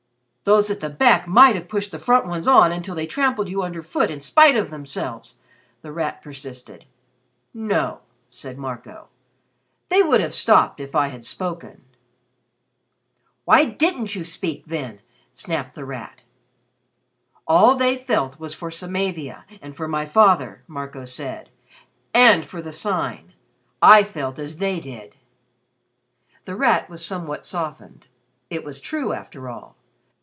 "Those at the back might have pushed the front ones on until they trampled you under foot in spite of themselves!" The Rat persisted. "No," said Marco. "They would have stopped if I had spoken." "Why didn't you speak then?" snapped The Rat. "All they felt was for Samavia, and for my father," Marco said, "and for the Sign. I felt as they did." The Rat was somewhat softened. It was true, after all.